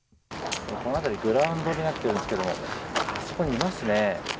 この辺りグラウンドになっているんですけどあそこにいますね。